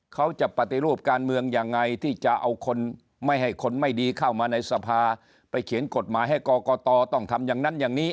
เขาจะปฏิรูปการเมืองยังไงที่จะเอาคนไม่ให้คนไม่ดีเข้ามาในสภาไปเขียนกฎหมายให้กรกตต้องทำอย่างนั้นอย่างนี้